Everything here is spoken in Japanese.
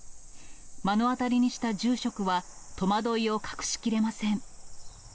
目の当たりにした住職は、戸惑いを隠しきれません。